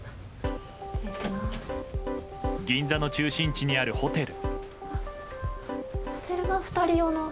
銀座の中心地にあるホテル。